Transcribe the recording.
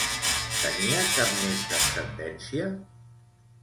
Tenia cap més descendència?